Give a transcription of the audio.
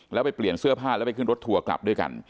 แล้วไปเปลี่ยนเสื้อผ้าแล้วไปขึ้นรถทัวร์กลับด้วยกัน